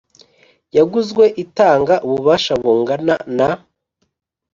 yaguzwe itanga ububasha bungana na